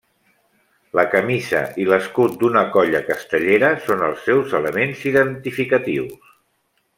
La camisa i l'escut d'una colla castellera són els seus elements identificatius.